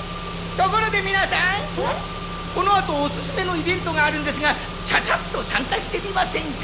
ところで皆さんこのあとおすすめのイベントがあるんですがちゃちゃっと参加してみませんか？